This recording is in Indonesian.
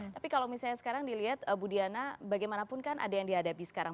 tapi kalau misalnya sekarang dilihat bu diana bagaimanapun kan ada yang dihadapi sekarang